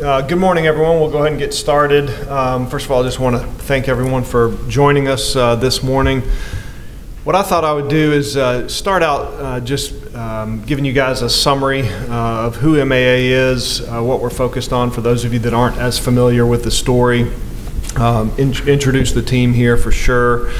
Good morning, everyone. We'll go ahead and get started. First of all, I just want to thank everyone for joining us this morning. What I thought I would do is start out just giving you guys a summary of who MAA is, what we're focused on, for those of you that aren't as familiar with the story, introduce the team here for sure,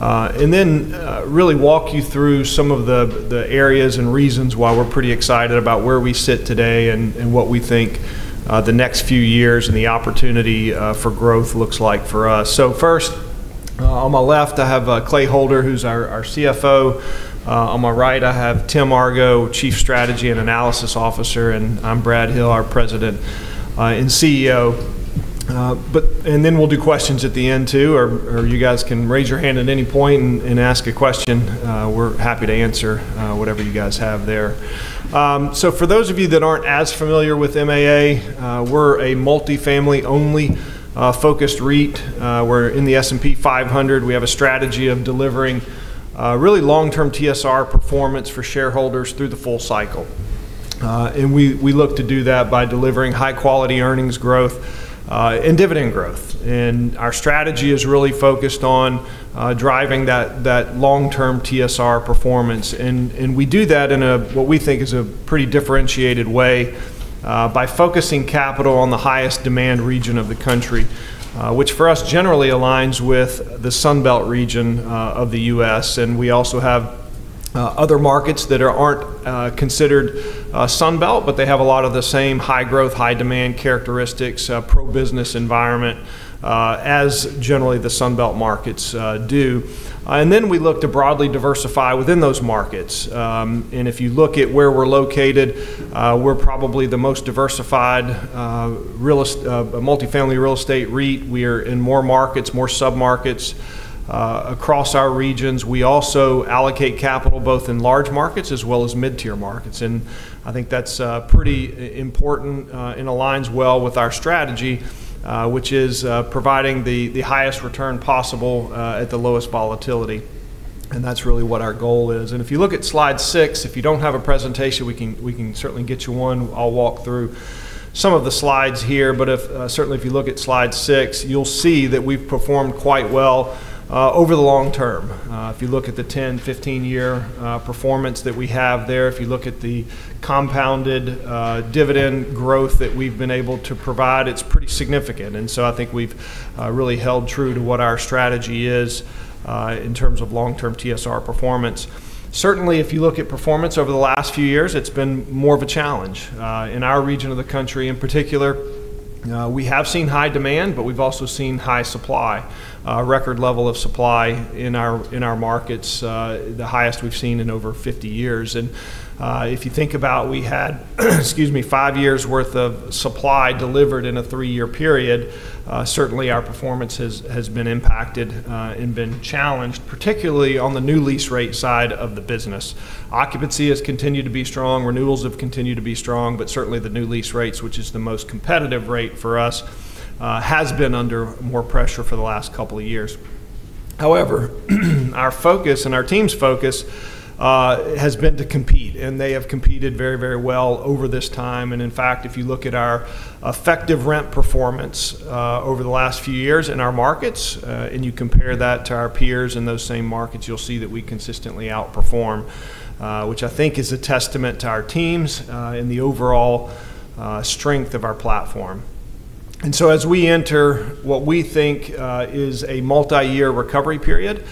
and then really walk you through some of the areas and reasons why we're pretty excited about where we sit today, and what we think the next few years, and the opportunity for growth looks like for us. First, on my left, I have Clay Holder, who's our CFO. On my right, I have Tim Argo, Chief Strategy and Analysis Officer, and I'm Brad Hill, our President and CEO. Then we'll do questions at the end, too, or you guys can raise your hand at any point and ask a question. We're happy to answer whatever you guys have there. For those of you that aren't as familiar with MAA, we're a multifamily-only focused REIT. We're in the S&P 500. We have a strategy of delivering really long-term TSR performance for shareholders through the full cycle. We look to do that by delivering high-quality earnings growth and dividend growth. Our strategy is really focused on driving that long-term TSR performance. We do that in a, what we think is a pretty differentiated way, by focusing capital on the highest demand region of the country, which for us, generally aligns with the Sun Belt region of the U.S. We also have other markets that aren't considered Sun Belt, but they have a lot of the same high growth, high demand characteristics, pro-business environment, as generally the Sun Belt markets do. Then we look to broadly diversify within those markets. If you look at where we're located, we're probably the most diversified multifamily real estate REIT. We're in more markets, more sub-markets, across our regions. We also allocate capital both in large markets as well as mid-tier markets. I think that's pretty important, and aligns well with our strategy, which is providing the highest return possible at the lowest volatility. That's really what our goal is. If you look at slide six, if you don't have a presentation, we can certainly get you one. I'll walk through some of the slides here, but certainly if you look at slide six, you'll see that we've performed quite well over the long term. If you look at the 10, 15 year performance that we have there, if you look at the compounded dividend growth that we've been able to provide, it's pretty significant. I think we've really held true to what our strategy is in terms of long-term TSR performance. Certainly, if you look at performance over the last few years, it's been more of a challenge. In our region of the country in particular, we have seen high demand, but we've also seen high supply. A record level of supply in our markets, the highest we've seen in over 50 years. If you think about we had five years' worth of supply delivered in a three year period, certainly our performance has been impacted and been challenged, particularly on the new lease rate side of the business. Occupancy has continued to be strong, renewals have continued to be strong, but certainly the new lease rates, which is the most competitive rate for us, has been under more pressure for the last couple of years. However, our focus and our team's focus has been to compete, and they have competed very well over this time. In fact, if you look at our effective rent performance over the last few years in our markets, and you compare that to our peers in those same markets, you'll see that we consistently outperform, which I think is a testament to our teams, and the overall strength of our platform. As we enter what we think is a multi-year recovery period,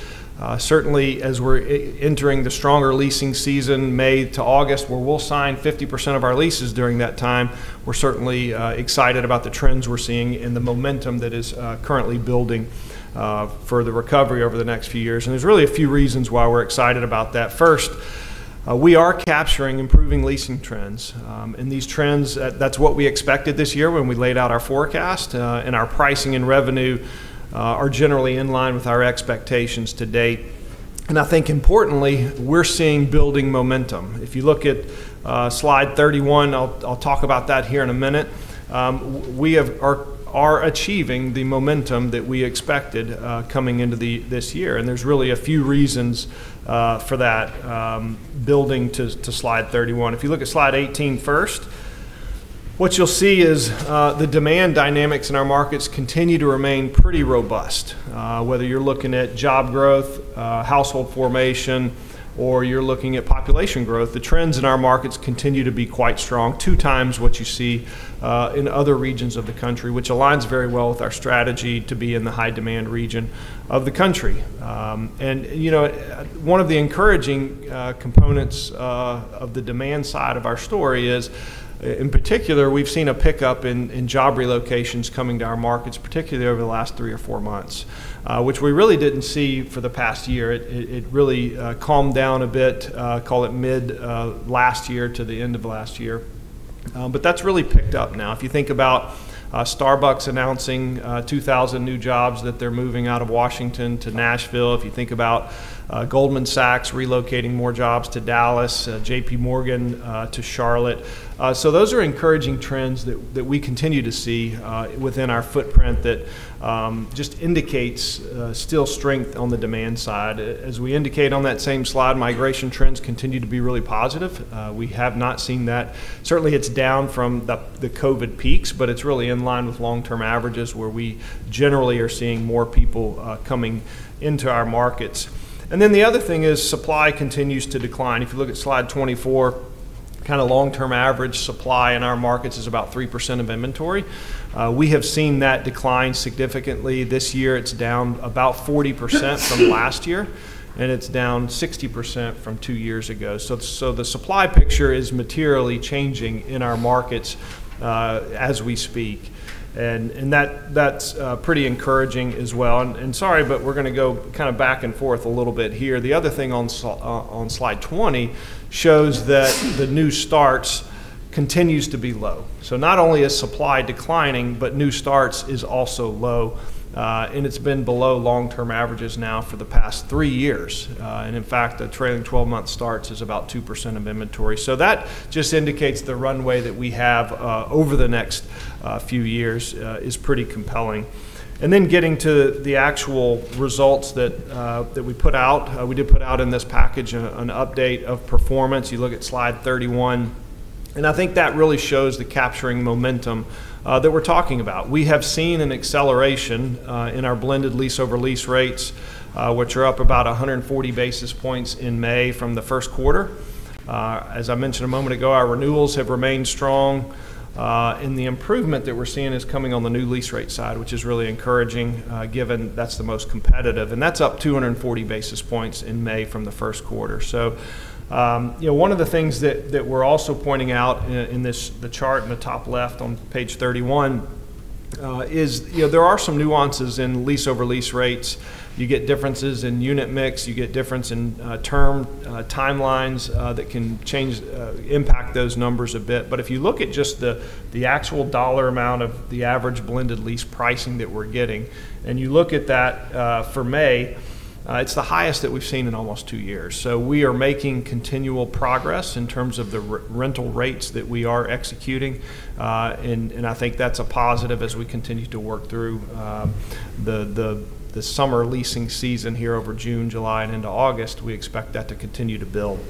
certainly as we're entering the stronger leasing season, May to August, where we'll sign 50% of our leases during that time, we're certainly excited about the trends we're seeing and the momentum that is currently building for the recovery over the next few years. There's really a few reasons why we're excited about that. First, we are capturing improving leasing trends. These trends, that's what we expected this year when we laid out our forecast, and our pricing and revenue are generally in line with our expectations to date. I think importantly, we're seeing building momentum. If you look at slide 31, I'll talk about that here in a minute, we are achieving the momentum that we expected coming into this year. There's really a few reasons for that, building to slide 31. If you look at slide 18 first, what you'll see is the demand dynamics in our markets continue to remain pretty robust. Whether you're looking at job growth, household formation, or you're looking at population growth, the trends in our markets continue to be quite strong, two times what you see in other regions of the country, which aligns very well with our strategy to be in the high-demand region of the country. One of the encouraging components of the demand side of our story is, in particular, we've seen a pickup in job relocations coming to our markets, particularly over the last three or four months, which we really didn't see for the past year. It really calmed down a bit, call it mid last year to the end of last year. That's really picked up now. If you think about Starbucks announcing 2,000 new jobs that they're moving out of Washington to Nashville, if you think about Goldman Sachs relocating more jobs to Dallas, JPMorgan to Charlotte. Those are encouraging trends that we continue to see within our footprint that just indicates still strength on the demand side. As we indicate on that same slide, migration trends continue to be really positive. We have not seen that. Certainly, it's down from the COVID peaks, but it's really in line with long-term averages where we generally are seeing more people coming into our markets. The other thing is supply continues to decline. If you look at slide 24, kind of long-term average supply in our markets is about 3% of inventory. We have seen that decline significantly this year. It's down about 40% from last year, and it's down 60% from two years ago. The supply picture is materially changing in our markets as we speak. That's pretty encouraging as well. Sorry, but we're going to go kind of back and forth a little bit here. The other thing on slide 20 shows that the new starts continues to be low. Not only is supply declining, but new starts is also low. It's been below long-term averages now for the past three years. In fact, the trailing 12-month starts is about 2% of inventory. That just indicates the runway that we have over the next few years is pretty compelling. Getting to the actual results that we put out. We did put out in this package an update of performance. You look at slide 31, and I think that really shows the capturing momentum that we're talking about. We have seen an acceleration in our blended lease-over-lease rates, which are up about 140 basis points in May from the first quarter. As I mentioned a moment ago, our renewals have remained strong. The improvement that we're seeing is coming on the new lease rate side, which is really encouraging, given that's the most competitive, and that's up 240 basis points in May from the first quarter. One of the things that we're also pointing out in the chart in the top left on page 31 is there are some nuances in lease-over-lease rates. You get differences in unit mix. You get difference in term timelines that can impact those numbers a bit. If you look at just the actual dollar amount of the average blended lease pricing that we're getting, and you look at that for May, it's the highest that we've seen in almost two years. We are making continual progress in terms of the rental rates that we are executing. I think that's a positive as we continue to work through the summer leasing season here over June, July, and into August. We expect that to continue to build.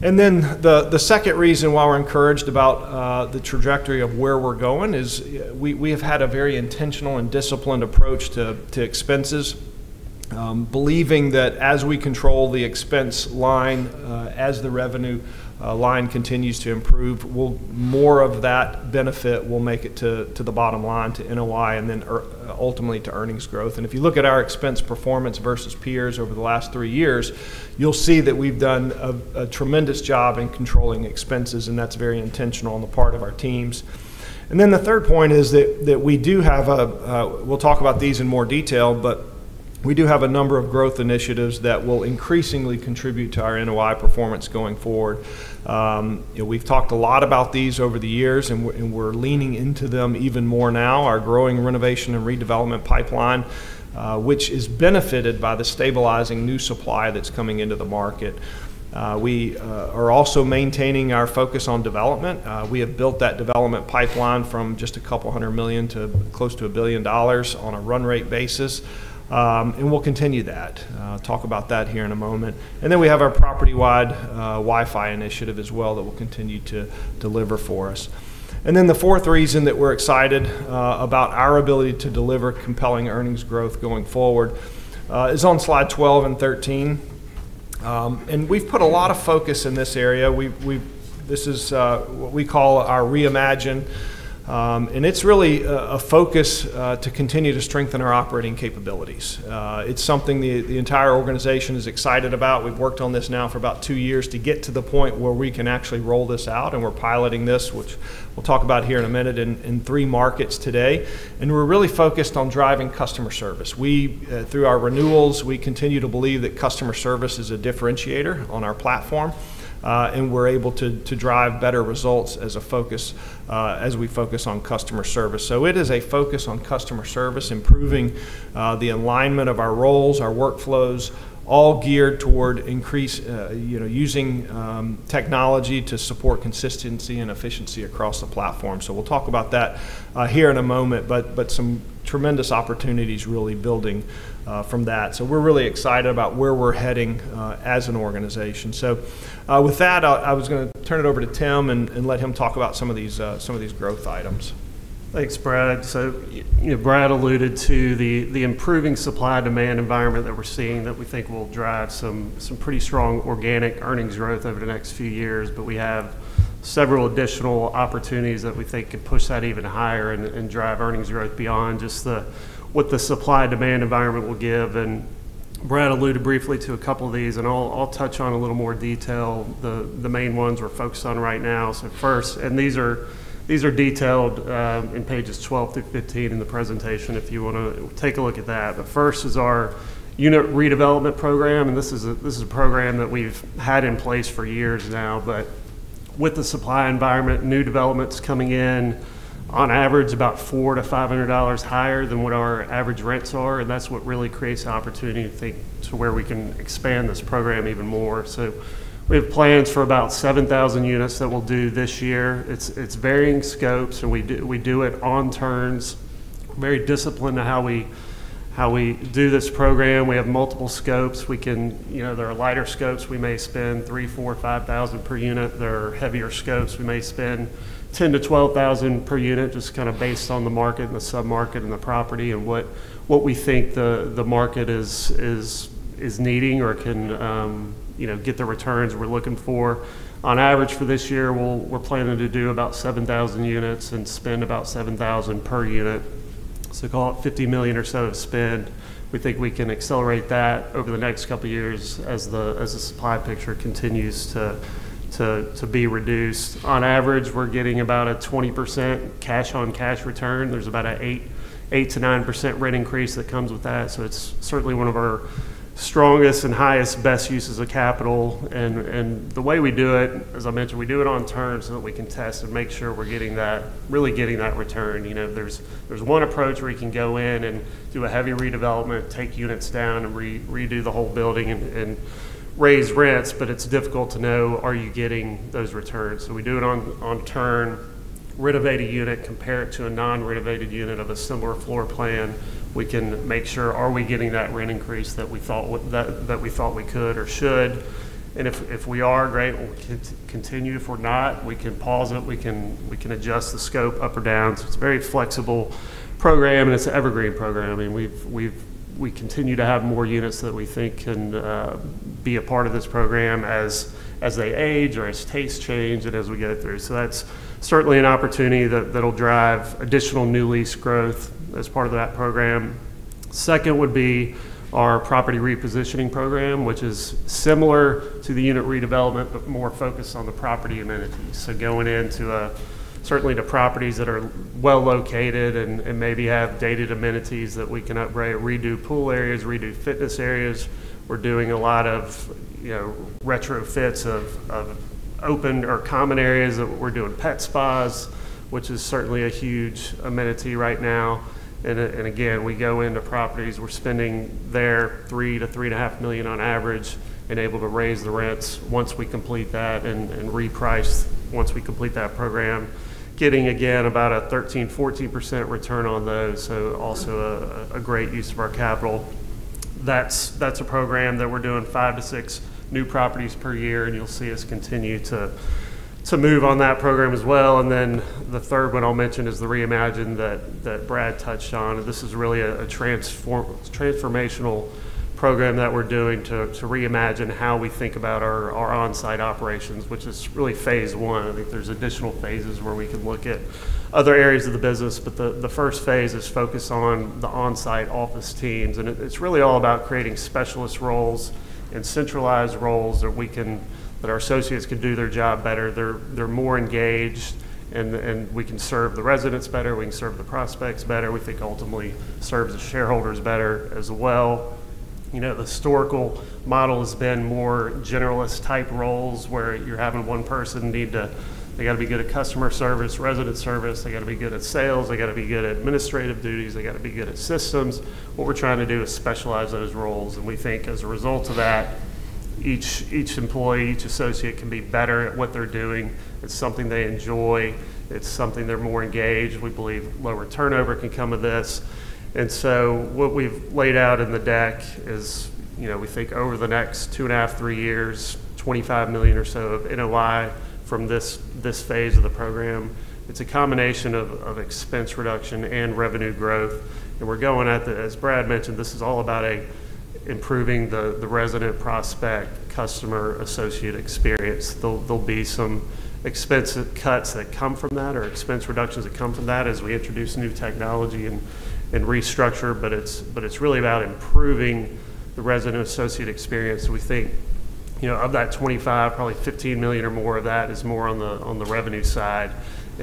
The second reason why we're encouraged about the trajectory of where we're going is we have had a very intentional and disciplined approach to expenses, believing that as we control the expense line, as the revenue line continues to improve, more of that benefit will make it to the bottom line, to NOI, and then ultimately to earnings growth. If you look at our expense performance versus peers over the last three years, you'll see that we've done a tremendous job in controlling expenses. That's very intentional on the part of our teams. The third point is that we do have a number of growth initiatives that will increasingly contribute to our NOI performance going forward. We'll talk about these in more detail. We've talked a lot about these over the years. We're leaning into them even more now. Our growing renovation and redevelopment pipeline, which is benefited by the stabilizing new supply that's coming into the market. We are also maintaining our focus on development. We have built that development pipeline from just a couple hundred million to close to $1 billion on a run rate basis. We'll continue that. I'll talk about that here in a moment. We have our property-wide Wi-Fi initiative as well that will continue to deliver for us. The fourth reason that we're excited about our ability to deliver compelling earnings growth going forward is on slide 12 and 13. We've put a lot of focus in this area. This is what we call our reimagine. It's really a focus to continue to strengthen our operating capabilities. It's something the entire organization is excited about. We've worked on this now for about two years to get to the point where we can actually roll this out. We're piloting this, which we'll talk about here in a minute, in three markets today. We're really focused on driving customer service. Through our renewals, we continue to believe that customer service is a differentiator on our platform. We're able to drive better results as we focus on customer service. It is a focus on customer service, improving the alignment of our roles, our workflows, all geared toward using technology to support consistency and efficiency across the platform. We'll talk about that here in a moment. Some tremendous opportunities really building from that. We're really excited about where we're heading as an organization. With that, I was going to turn it over to Tim and let him talk about some of these growth items. Thanks, Brad. Brad alluded to the improving supply-demand environment that we're seeing that we think will drive some pretty strong organic earnings growth over the next few years. We have several additional opportunities that we think could push that even higher and drive earnings growth beyond just what the supply-demand environment will give. Brad alluded briefly to a couple of these, and I'll touch on a little more detail the main ones we're focused on right now. First, and these are detailed in pages 12 through 15 in the presentation if you want to take a look at that. First is our unit redevelopment program, and this is a program that we've had in place for years now. With the supply environment, new developments coming in on average about $400-$500 higher than what our average rents are, and that's what really creates the opportunity, I think, to where we can expand this program even more. We have plans for about 7,000 units that we'll do this year. It's varying scopes, and we do it on turns. We're very disciplined in how we do this program. We have multiple scopes. There are lighter scopes. We may spend $3,000, $4,000, $5,000 per unit. There are heavier scopes. We may spend $10,000-$12,000 per unit, just based on the market and the sub-market and the property, and what we think the market is needing or can get the returns we're looking for. On average, for this year, we're planning to do about 7,000 units and spend about $7,000 per unit. Call it $50 million or so of spend. We think we can accelerate that over the next couple of years as the supply picture continues to be reduced. On average, we're getting about a 20% cash-on-cash return. There's about an 8%-9% rent increase that comes with that. It's certainly one of our strongest and highest best uses of capital. The way we do it, as I mentioned, we do it on turn so that we can test and make sure we're really getting that return. There's one approach where you can go in and do a heavy redevelopment, take units down, and redo the whole building, and raise rents, but it's difficult to know, are you getting those returns? We do it on turn. Renovate a unit, compare it to a non-renovated unit of a similar floor plan. We can make sure, are we getting that rent increase that we thought we could or should? If we are, great, we'll continue. If we're not, we can pause it. We can adjust the scope up or down. It's a very flexible program, and it's an evergreen program. We continue to have more units that we think can be a part of this program as they age or as tastes change and as we go through. That's certainly an opportunity that'll drive additional new lease growth as part of that program. Second would be our property repositioning program, which is similar to the unit redevelopment, but more focused on the property amenities. Going into certainly the properties that are well-located and maybe have dated amenities that we can upgrade, redo pool areas, redo fitness areas. We're doing a lot of retrofits of open or common areas. We're doing pet spas, which is certainly a huge amenity right now. Again, we go into properties. We're spending there $3 million-$3.5 million on average, and able to raise the rents once we complete that, and reprice once we complete that program. Getting, again, about a 13%-14% return on those. Also a great use of our capital. That's a program that we're doing five to six new properties per year. You'll see us continue to move on that program as well. The third one I'll mention is the reimagine that Brad touched on. This is really a transformational program that we're doing to reimagine how we think about our on-site operations, which is really phase one. I think there's additional phases where we can look at other areas of the business. The first phase is focused on the on-site office teams. It's really all about creating specialist roles and centralized roles that our associates can do their job better. They're more engaged. We can serve the residents better. We can serve the prospects better. We think ultimately serves the shareholders better as well. The historical model has been more generalist type roles, where you're having one person. They got to be good at customer service, resident service. They got to be good at sales. They got to be good at administrative duties. They got to be good at systems. What we're trying to do is specialize those roles. We think as a result of that, each employee, each associate can be better at what they're doing. It's something they enjoy. It's something they're more engaged. We believe lower turnover can come of this. What we've laid out in the deck is, we think over the next two and a half, three years, $25 million or so of NOI from this phase of the program. It's a combination of expense reduction and revenue growth. We're going at the, as Brad mentioned, this is all about improving the resident prospect, customer, associate experience. There'll be some expensive cuts that come from that, or expense reductions that come from that as we introduce new technology and restructure, but it's really about improving the resident associate experience. We think of that $25 million, probably $15 million or more of that is more on the revenue side. I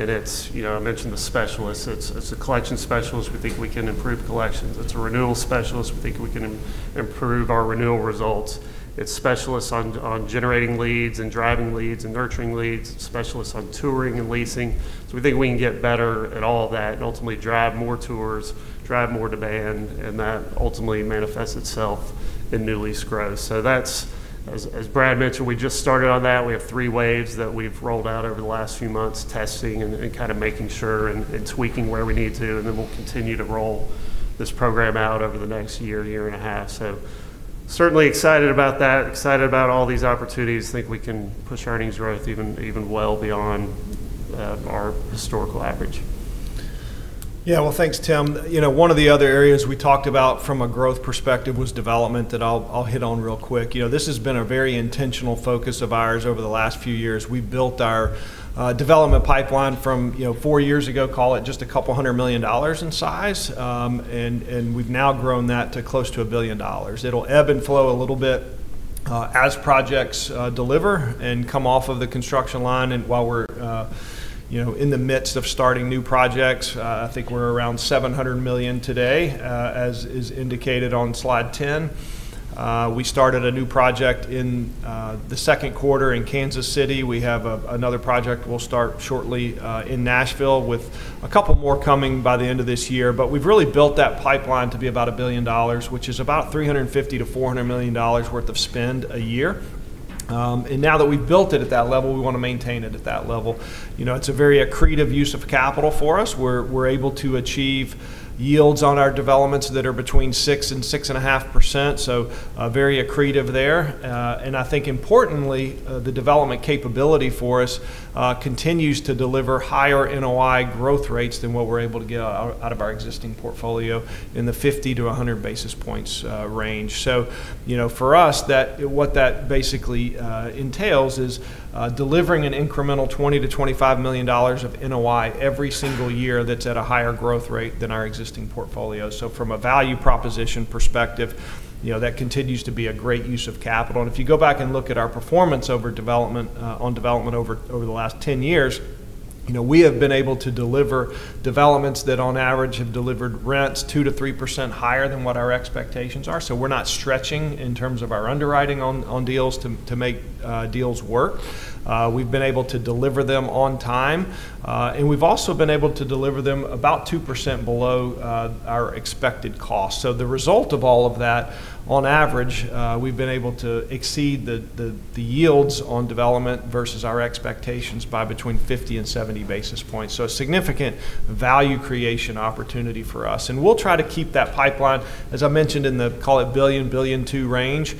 mentioned the specialists. It's a collection specialist. We think we can improve collections. It's a renewal specialist. We think we can improve our renewal results. It's specialists on generating leads and driving leads and nurturing leads. Specialists on touring and leasing. We think we can get better at all that and ultimately drive more tours, drive more demand, and that ultimately manifests itself in new lease growth. That's, as Brad mentioned, we just started on that. We have three waves that we've rolled out over the last few months, testing and kind of making sure and tweaking where we need to, and then we'll continue to roll this program out over the next one year and a half. Certainly excited about that, excited about all these opportunities. Think we can push earnings growth even well beyond our historical average. Yeah. Well, thanks, Tim. One of the other areas we talked about from a growth perspective was development, that I'll hit on real quick. This has been a very intentional focus of ours over the last few years. We built our development pipeline from four years ago, call it just a couple of hundred million dollars in size. We've now grown that to close to $1 billion. It'll ebb and flow a little bit as projects deliver and come off of the construction line, and while we're in the midst of starting new projects. I think we're around $700 million today, as is indicated on slide 10. We started a new project in the second quarter in Kansas City. We have another project we'll start shortly in Nashville, with a couple more coming by the end of this year. We've really built that pipeline to be about $1 billion, which is about $350 million-$400 million worth of spend a year. Now that we've built it at that level, we want to maintain it at that level. It's a very accretive use of capital for us. We're able to achieve yields on our developments that are between 6% and 6.5%, so very accretive there. I think importantly, the development capability for us continues to deliver higher NOI growth rates than what we're able to get out of our existing portfolio in the 50 to 100 basis points range. For us, what that basically entails is delivering an incremental $20 million-$25 million of NOI every single year that's at a higher growth rate than our existing portfolio. From a value proposition perspective, that continues to be a great use of capital. If you go back and look at our performance on development over the last 10 years, we have been able to deliver developments that on average have delivered rents 2%-3% higher than what our expectations are. We're not stretching in terms of our underwriting on deals to make deals work. We've been able to deliver them on time. We've also been able to deliver them about 2% below our expected cost. The result of all of that, on average, we've been able to exceed the yields on development versus our expectations by between 50 and 70 basis points. A significant value creation opportunity for us, and we'll try to keep that pipeline, as I mentioned, in the, call it, $1 billion, $1.2 billion range,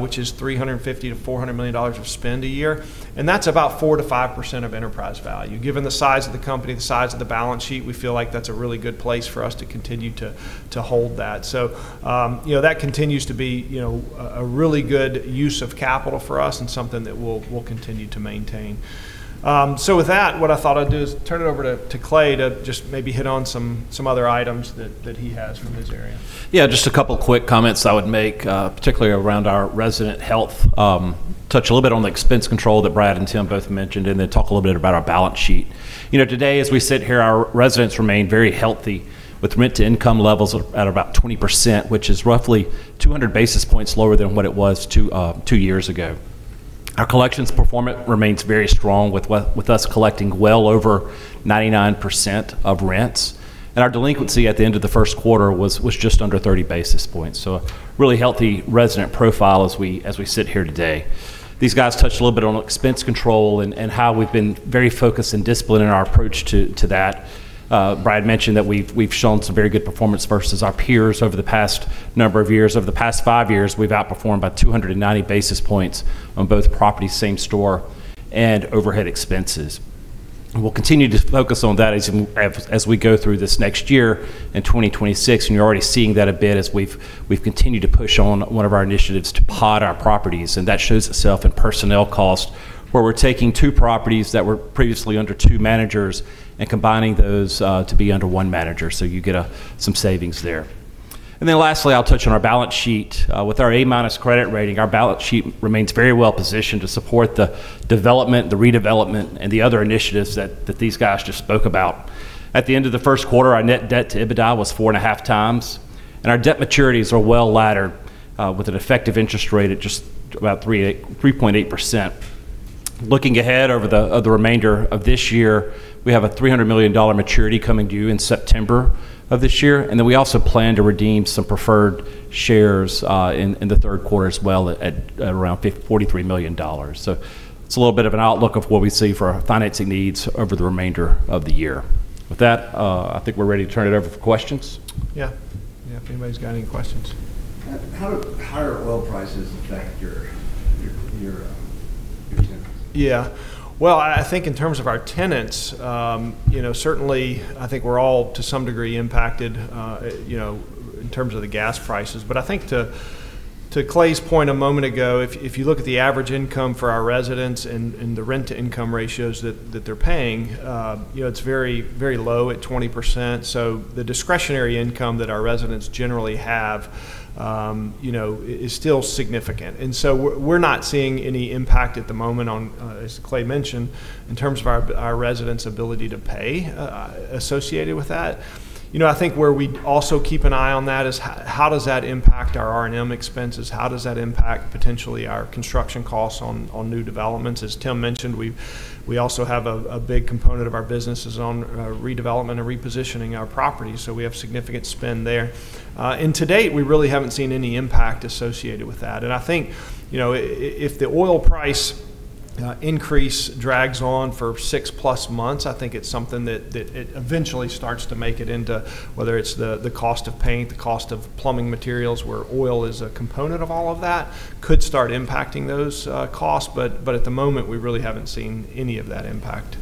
which is $350 million-$400 million of spend a year. That's about 4%-5% of enterprise value. Given the size of the company, the size of the balance sheet, we feel like that's a really good place for us to continue to hold that. That continues to be a really good use of capital for us and something that we'll continue to maintain. With that, what I thought I'd do is turn it over to Clay to just maybe hit on some other items that he has from his area. Yeah, just a couple quick comments I would make, particularly around our resident health. Touch a little bit on the expense control that Brad and Tim both mentioned, and then talk a little bit about our balance sheet. Today, as we sit here, our residents remain very healthy with rent to income levels at about 20%, which is roughly 200 basis points lower than what it was two years ago. Our collections performance remains very strong with us collecting well over 99% of rents. Our delinquency at the end of the first quarter was just under 30 basis points. A really healthy resident profile as we sit here today. These guys touched a little bit on expense control and how we've been very focused and disciplined in our approach to that. Brad mentioned that we've shown some very good performance versus our peers over the past five years. Over the past five years, we've outperformed by 290 basis points on both properties, same store, and overhead expenses. We'll continue to focus on that as we go through this next year in 2026. You're already seeing that a bit as we've continued to push on one of our initiatives to pod our properties, and that shows itself in personnel cost, where we're taking two properties that were previously under two managers and combining those to be under one manager. You get some savings there. Lastly, I'll touch on our balance sheet. With our A- credit rating, our balance sheet remains very well-positioned to support the development, the redevelopment, and the other initiatives that these guys just spoke about. At the end of the first quarter, our net debt to EBITDA was four and a half times. Our debt maturities are well-laddered, with an effective interest rate at just about 3.8%. Looking ahead over the remainder of this year, we have a $300 million maturity coming due in September of this year, and then we also plan to redeem some preferred shares in the third quarter as well, at around $43 million. It's a little bit of an outlook of what we see for our financing needs over the remainder of the year. With that, I think we're ready to turn it over for questions. If anybody's got any questions? How do higher oil prices affect your tenants? Yeah. Well, I think in terms of our tenants, certainly, I think we're all to some degree impacted, in terms of the gas prices. I think to Clay's point a moment ago, if you look at the average income for our residents and the rent to income ratios that they're paying, it's very low at 20%. The discretionary income that our residents generally have is still significant. We're not seeing any impact at the moment on, as Clay mentioned, in terms of our residents' ability to pay associated with that. I think where we also keep an eye on that is how does that impact our R&M expenses? How does that impact potentially our construction costs on new developments? As Tim mentioned, we also have a big component of our business is on redevelopment and repositioning our properties, we have significant spend there. To date, we really haven't seen any impact associated with that. I think, if the oil price increase drags on for six-plus months, I think it's something that it eventually starts to make it into, whether it's the cost of paint, the cost of plumbing materials, where oil is a component of all of that, could start impacting those costs. At the moment, we really haven't seen any of that impact.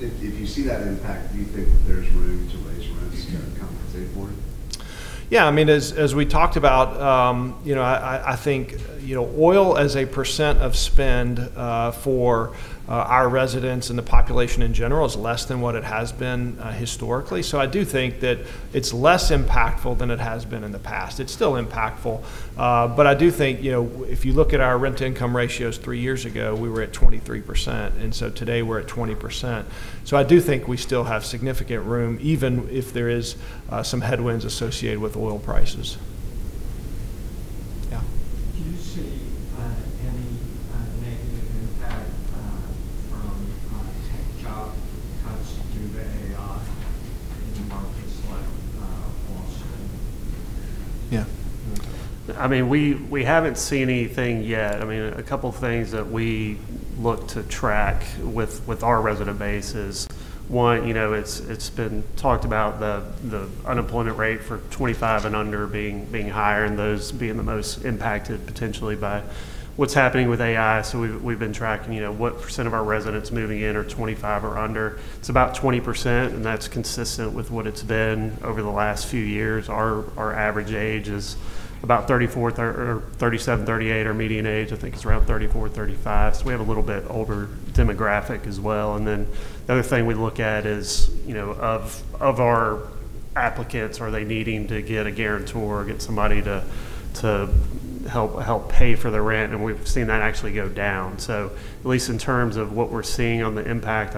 If you see that impact, do you think that there's room to raise rents to compensate for it? As we talked about, I think oil as a percent of spend for our residents and the population in general is less than what it has been historically. I do think that it's less impactful than it has been in the past. It's still impactful. I do think, if you look at our rent to income ratios three years ago, we were at 23%, today we're at 20%. I do think we still have significant room, even if there is some headwinds associated with oil prices. Yeah. Can you see any negative. Yeah. I mean, we haven't seen anything yet. A couple of things that we look to track with our resident base is one, it's been talked about the unemployment rate for 25 and under being higher and those being the most impacted potentially by what's happening with AI. We've been tracking what % of our residents moving in are 25 or under. It's about 20%, and that's consistent with what it's been over the last few years. Our average age is about 37, 38. Our median age, I think, is around 34, 35. We have a little bit older demographic as well. The other thing we look at is of our applicants, are they needing to get a guarantor, get somebody to help pay for the rent? We've seen that actually go down. At least in terms of what we're seeing on the impact,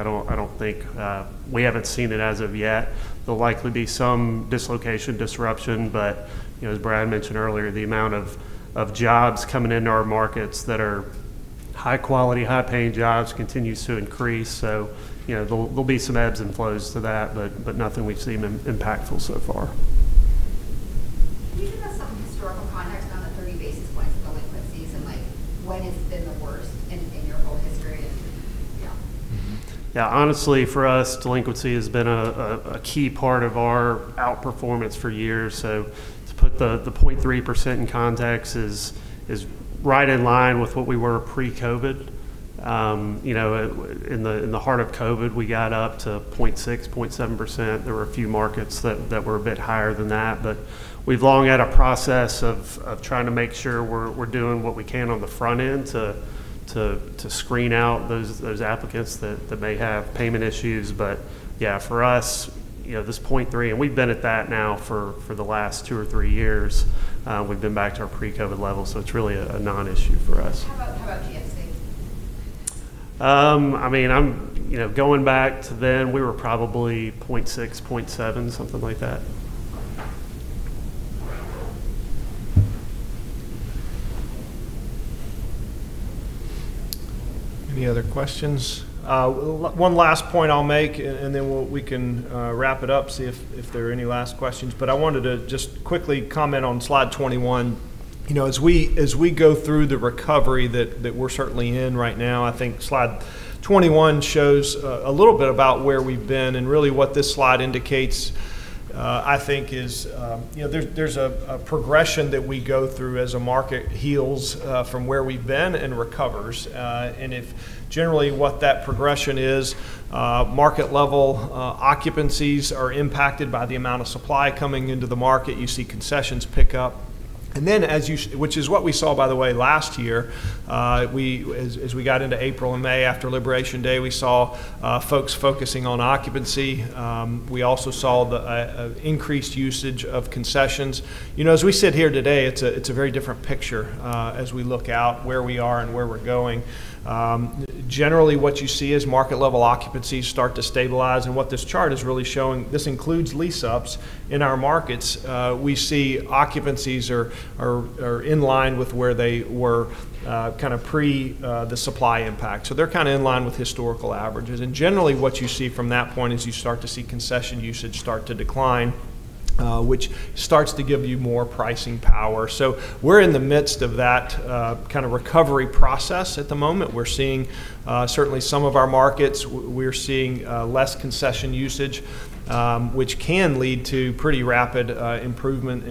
we haven't seen it as of yet. There'll likely be some dislocation, disruption, but as Brad mentioned earlier, the amount of jobs coming into our markets that are high quality, high paying jobs continues to increase. There'll be some ebbs and flows to that, but nothing we've seen impactful so far. Can you give us some historical context on the 30 basis point delinquencies and when it's been the worst in your whole history? Yeah. Yeah. Honestly, for us, delinquency has been a key part of our outperformance for years. To put the 0.3% in context is right in line with what we were pre-COVID. In the heart of COVID, we got up to 0.6%-0.7%. There were a few markets that were a bit higher than that. We've long had a process of trying to make sure we're doing what we can on the front end to screen out those applicants that may have payment issues. Yeah, for us, this 0.3%, and we've been at that now for the last two or three years. We've been back to our pre-COVID level. It's really a non-issue for us. How about GFC? Going back to then, we were probably 0.6, 0.7, something like that. Any other questions? One last point I'll make, and then we can wrap it up, see if there are any last questions. I wanted to just quickly comment on slide 21. As we go through the recovery that we're certainly in right now, I think slide 21 shows a little bit about where we've been, and really what this slide indicates, I think, is there's a progression that we go through as a market heals from where we've been and recovers. If generally what that progression is, market level occupancies are impacted by the amount of supply coming into the market. You see concessions pick up. Which is what we saw, by the way, last year. As we got into April and May, after Liberation Day, we saw folks focusing on occupancy. We also saw the increased usage of concessions. As we sit here today, it's a very different picture as we look out where we are and where we're going. Generally, what you see is market level occupancies start to stabilize, and what this chart is really showing, this includes lease-ups in our markets. We see occupancies are in line with where they were pre the supply impact. They're in line with historical averages. Generally, what you see from that point is you start to see concession usage start to decline, which starts to give you more pricing power. We're in the midst of that kind of recovery process at the moment. We're seeing certainly some of our markets, we're seeing less concession usage, which can lead to pretty rapid improvement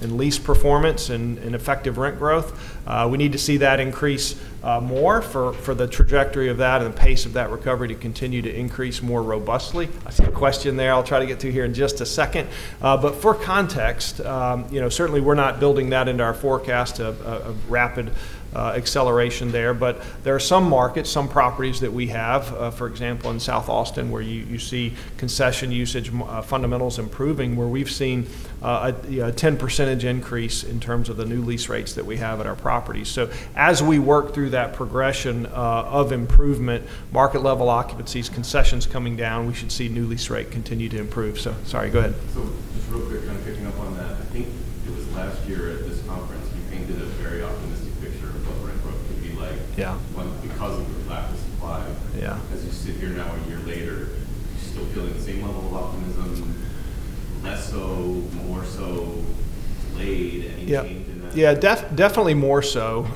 in lease performance and effective rent growth. We need to see that increase more for the trajectory of that and the pace of that recovery to continue to increase more robustly. I see a question there. I'll try to get to you here in just a second. For context, certainly we're not building that into our forecast of rapid acceleration there. There are some markets, some properties that we have, for example, in South Austin, where you see concession usage fundamentals improving, where we've seen a 10% increase in terms of the new lease rates that we have at our properties. As we work through that progression of improvement, market level occupancies, concessions coming down, we should see new lease rate continue to improve. Sorry, go ahead. Just real quick, kind of picking up on that. I think it was last year at this conference, you painted a very optimistic picture of what rent growth could be like. Yeah Because of the lack of supply. Yeah. As you sit here now a year later, are you still feeling the same level of optimism? Less so, more so, delayed? Any change in that? Yeah. Definitely more so.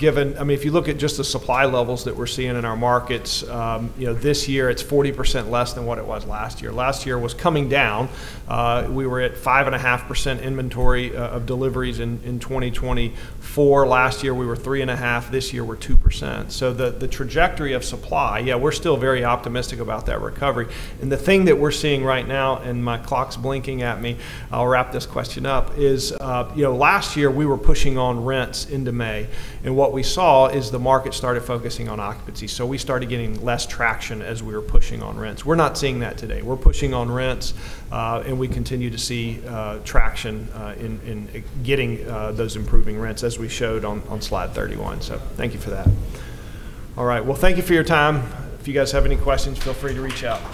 If you look at just the supply levels that we're seeing in our markets, this year it's 40% less than what it was last year. Last year was coming down. We were at 5.5% inventory of deliveries in 2024. Last year, we were 3.5. This year, we're 2%. The trajectory of supply, yeah, we're still very optimistic about that recovery. The thing that we're seeing right now, and my clock's blinking at me, I'll wrap this question up, is last year, we were pushing on rents into May. What we saw is the market started focusing on occupancy. We started getting less traction as we were pushing on rents. We're not seeing that today. We're pushing on rents, and we continue to see traction in getting those improving rents as we showed on slide 31. Thank you for that. All right. Well, thank you for your time. If you guys have any questions, feel free to reach out.